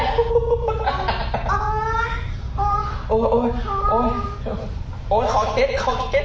โอ๊ยโอ๊ยโอ๊ยโอ้ยโอ๊ยขอเค็ดขอเค็ดโอ้โอ๊ยโอ้ย